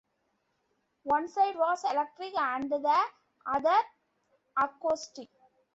One side was electric and the other acoustic.